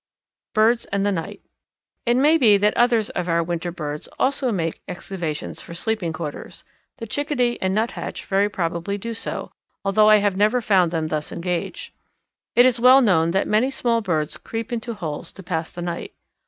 Birds and the Night. It may be that others of our winter birds also make excavations for sleeping quarters; the Chickadee and Nuthatch very probably do so, although I have never found them thus engaged. It is well known that many small birds creep into holes to pass the night.